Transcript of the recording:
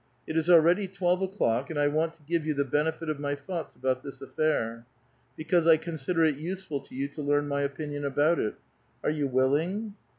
It is already twelve o'clock, and I want to give you the benefit of my thoughts about this affair, because I consider it use ful for you to learn my opinion about it. Are you wil ling?"